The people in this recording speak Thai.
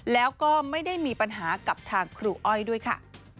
แล้วก็ไม่ได้มีปัญหากับทางครูอ้อยด้วยค่ะ